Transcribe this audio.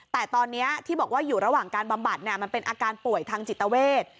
แต่ตอนนี้ที่บอกว่าอยู่ระหว่างการบำบัดมันเป็นอาการป่วยทางจิตเวท